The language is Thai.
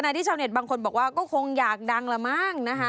ที่ชาวเน็ตบางคนบอกว่าก็คงอยากดังละมั้งนะคะ